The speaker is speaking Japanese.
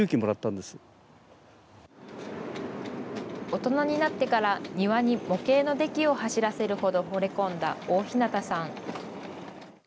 大人になってから、庭に模型のデキを走らせるほどほれ込んだ大日方さん。